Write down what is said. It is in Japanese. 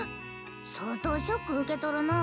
相当ショック受けとるなぁ。